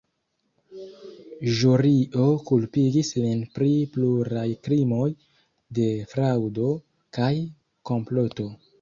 Ĵurio kulpigis lin pri pluraj krimoj de fraŭdo kaj komploto.